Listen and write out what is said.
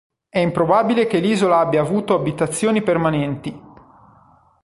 È improbabile che l'isola abbia avuto abitazioni permanenti.